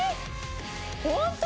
本当？